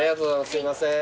すいません。